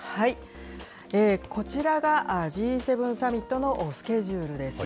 こちらがＧ７サミットのスケジュールです。